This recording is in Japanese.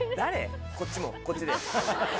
こっちもこっちで。